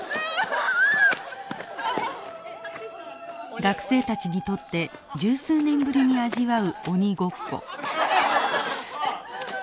学生たちにとって十数年ぶりに味わう鬼ごっこ。